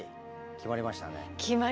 決まりましたね。